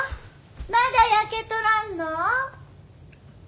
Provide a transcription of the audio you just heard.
まだ焼けとらんの？